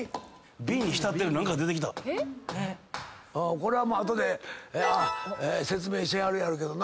これは後で説明しはるやろけどな。